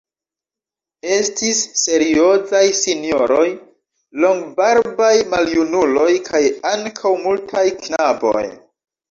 Estis seriozaj sinjoroj, longbarbaj maljunuloj kaj ankaŭ multaj knaboj.